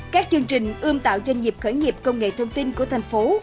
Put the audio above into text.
các chương trình ươm tạo doanh nghiệp khởi nghiệp công nghệ thông tin của thành phố